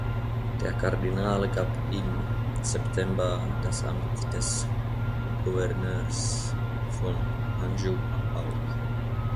Der Kardinal gab im September das Amt des Gouverneurs von Anjou auf.